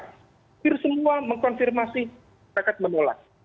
hampir semua mengkonfirmasi masyarakat menolak